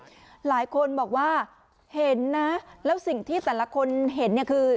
หลายคนบอกว่าเห็นนะแล้วสิ่งที่แต่ละคนเห็นเนี่ยคือ